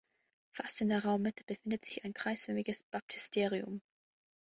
Fast in der Raummitte befindet sich ein kreisförmiges Baptisterium.